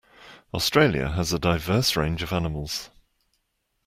Australia has a diverse range of animals.